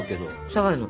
下がるの。